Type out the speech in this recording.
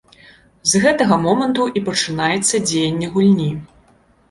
З гэтага моманту і пачынаецца дзеянне гульні.